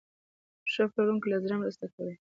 ښه پلورونکی له زړه مرسته کوي.